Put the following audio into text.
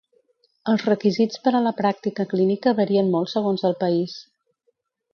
Els requisits per a la pràctica clínica varien molt segons el país.